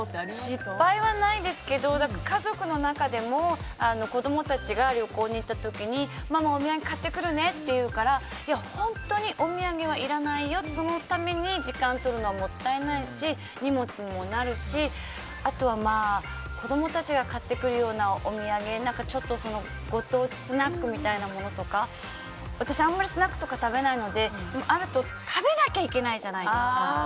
失敗はないですけど家族の中でも子供たちが旅行に行った時にママお土産買ってくるねというから本当にお土産はいらないよとそのために時間とるのもったいないし荷物にもなるし、あとは子供たちが買ってくるようなお土産、ちょっとご当地スナックみたいなものとか私あんまりスナックとか食べないのであると食べなきゃいけないじゃないですか。